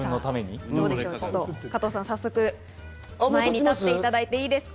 加藤さん、早速、前に立っていただいていいですか？